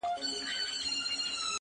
o پر اسمان ستوری نه لري، پر مځکه غولی.